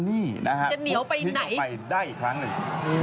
จะเหนียวไปไหนตุ๊กทิดออกไปได้อีกครั้งหนึ่ง